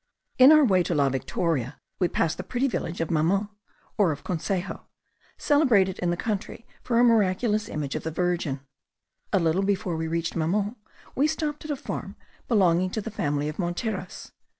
In our way to La Victoria, we passed the pretty village of Mamon or of Consejo, celebrated in the country for a miraculous image of the Virgin. A little before we reached Mamon, we stopped at a farm belonging to the family of Monteras.